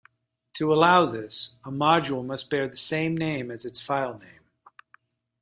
To allow this, a module must bear the same name as its file name.